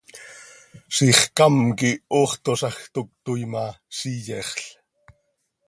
Zixcám quih hoox toozaj, toc cötoii ma, z iyexl.